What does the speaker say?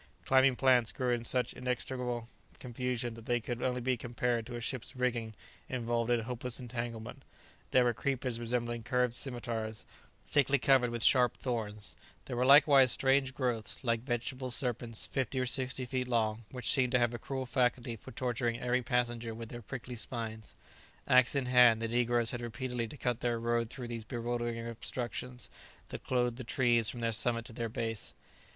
Climbing plants grew in such inextricable confusion that they could only be compared to a ship's rigging involved in hopeless entanglement; there were creepers resembling curved scimitars, thickly covered with sharp thorns; there were likewise strange growths, like vegetable serpents, fifty or sixty feet long, which seemed to have a cruel faculty for torturing every passenger with their prickly spines. Axe in hand, the negroes had repeatedly to cut their road through these bewildering obstructions that clothed the trees from their summit to their base.